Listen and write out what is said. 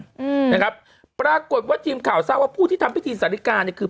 อืมนะครับปรากฏว่าทีมข่าวทราบว่าผู้ที่ทำพิธีสาฬิกาเนี่ยคือ